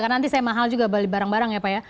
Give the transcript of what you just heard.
karena nanti saya mahal juga beli barang barang ya pak ya